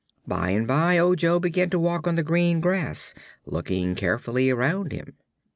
By and by Ojo began to walk on the green grass, looking carefully around him.